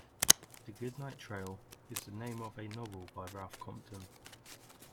"The Goodnight Trail" is the name of a novel by Ralph Compton.